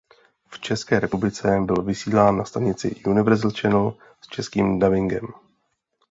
V České republice byl vysílán na stanici Universal Chanel s českým dabingem.